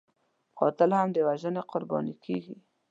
قاتل هم د وژنې قرباني کېږي